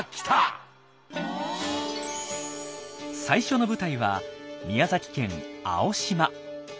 最初の舞台は宮崎県青島。